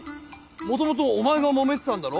もともとお前がもめてたんだろ？